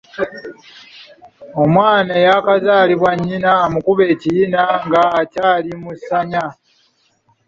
Omwana eyaakazaalibwa nnyina amukuba ekiyina nga akyali mu ssanya